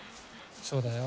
そうだよ。